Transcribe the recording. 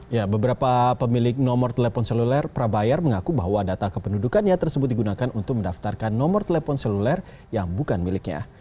ya beberapa pemilik nomor telepon seluler prabayar mengaku bahwa data kependudukannya tersebut digunakan untuk mendaftarkan nomor telepon seluler yang bukan miliknya